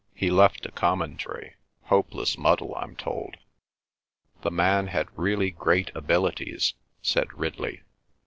"He left a commentary. Hopeless muddle, I'm told." "The man had really great abilities," said Ridley.